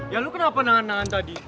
ya lu kenapa nangan nangan tadi